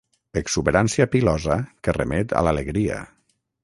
Exuberància pilosa que remet a l'alegria.